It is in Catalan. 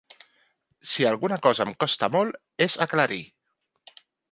Si alguna cosa em costa molt, és aclarir.